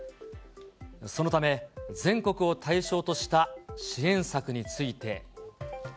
そのため、全国を対象とした支援策について。